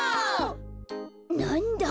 なんだ？